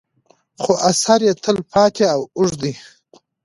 خو اثر یې تل پاتې او اوږد وي.